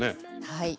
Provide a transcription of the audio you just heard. はい。